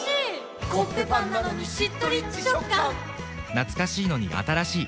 懐かしいのに新しい。